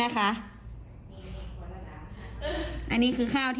ในข้าวเลยค่ะนี่